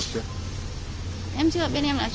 em chưa bên em là chuyên hàng nhật